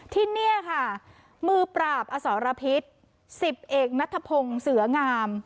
ที่นี่ค่ะมือปราบอสรพิษ๑๐เอกนัทพงศ์เสืองาม